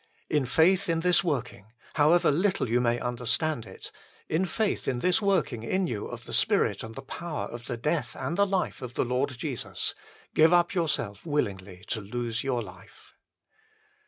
In faith in this working, however little you may understand it in faith in this working in 1 Zech. iv. G. HOW THE BLESSING IS HINDERED 75 you of the spirit and the power of the deatli and the life of the Lord Jesus, give up yourself willingly to lose your life.